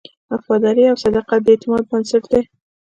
وفاداري او صداقت د اعتماد بنسټ دی.